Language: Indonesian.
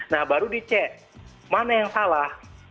nah baru dicek mana yang salah